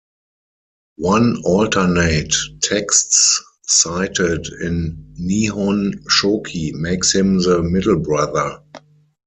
One alternate texts cited in "Nihon Shoki" makes him the middle brother.